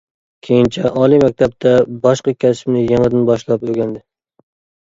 كېيىنچە ئالىي مەكتەپتە باشقا كەسىپنى يېڭىدىن باشلاپ ئۆگەندى.